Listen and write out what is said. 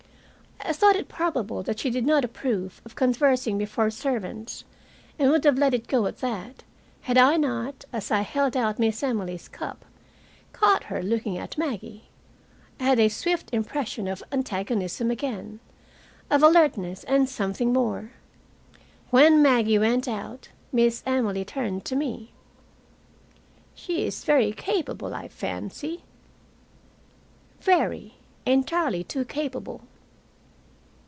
I thought it probable that she did not approve of conversing before servants, and would have let it go at that, had I not, as I held out Miss Emily's cup, caught her looking at Maggie. I had a swift impression of antagonism again, of alertness and something more. When Maggie went out, Miss Emily turned to me. "She is very capable, I fancy." "Very. Entirely too capable."